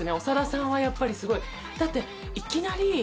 長田さんはやっぱりすごいだっていきなり。